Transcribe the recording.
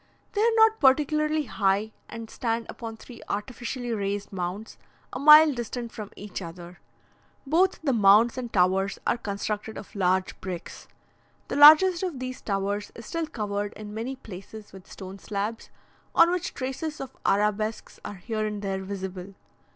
They are not particularly high, and stand upon three artificially raised mounds, a mile distant from each other. Both the mounds and towers are constructed of large bricks. The largest of these towers is still covered in many places with stone slabs, on which traces of arabesques are here and there visible.